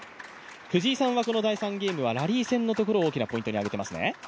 藤井さんはこの第３ゲームはラリー戦を大きなポイントに上げていますね。